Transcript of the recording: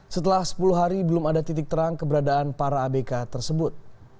setelah sepuluh hari belum ada titik terang keberadaan para abk tersebut